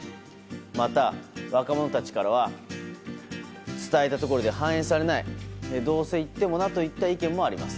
また、若者たちからは伝えたところで反映されないどうせ言ってもなという意見もあります。